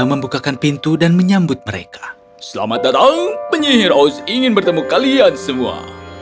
selamat datang penyihir ouz ingin bertemu kalian semua